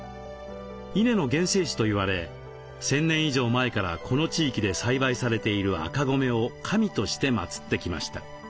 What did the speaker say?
稲の原生種といわれ１，０００年以上前からこの地域で栽培されている赤米を神として祭ってきました。